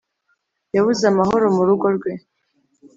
yabuze amahoro mu rugo rwe